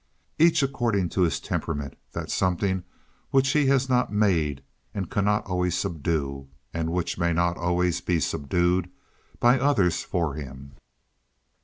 Each according to his temperament—that something which he has not made and cannot always subdue, and which may not always be subdued by others for him.